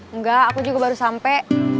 enggak aku juga baru sampai